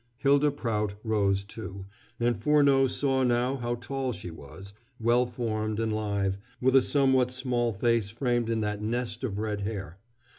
Hylda Prout rose, too, and Furneaux saw now how tall she was, well formed and lithe, with a somewhat small face framed in that nest of red hair.